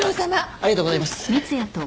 ありがとうございます。